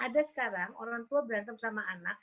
ada sekarang orang tua berantem sama anak